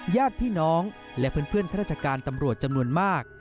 ญาติพี่น้องและเพื่อนข้าราชการตำรวจจำนวนมาก